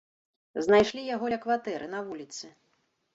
Знайшлі яго ля кватэры, на вуліцы.